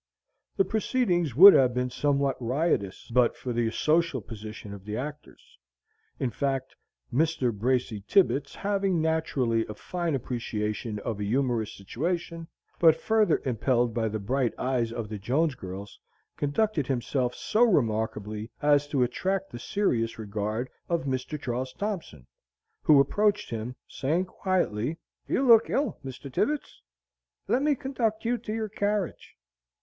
The proceedings would have been somewhat riotous, but for the social position of the actors. In fact, Mr. Bracy Tibbets, having naturally a fine appreciation of a humorous situation, but further impelled by the bright eyes of the Jones girls, conducted himself so remarkably as to attract the serious regard of Mr. Charles Thompson, who approached him, saying quietly: "You look ill, Mr. Tibbets; let me conduct you to your carriage.